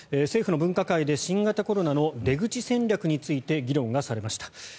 政府の分科会で新型コロナの出口戦略について議論がされました。